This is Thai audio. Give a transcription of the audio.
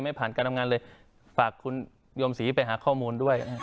ไม่ผ่านการทำงานเลยฝากคุณโยมศรีไปหาข้อมูลด้วย